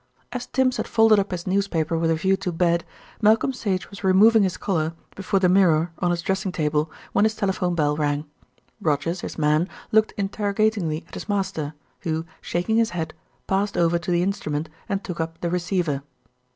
As Tims had folded up his newspaper with a view to bed, Malcolm Sage was removing his collar before the mirror on his dressing table, when his telephone bell rang. Rogers, his man, looked interrogatingly at his master, who, shaking his head, passed over to the instrument and took up the receiver.